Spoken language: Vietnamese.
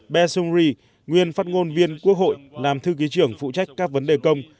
be sung ri nguyên phát ngôn viên quốc hội làm thư ký trưởng phụ trách các vấn đề công